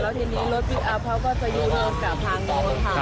แล้วทีนี้รถพลิกอัพเขาก็จะยืนเริ่มกลับทางนั้นค่ะ